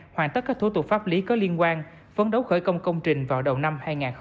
hoàn tất các thủ tục pháp lý có liên quan phấn đấu khởi công công trình vào đầu năm hai nghìn hai mươi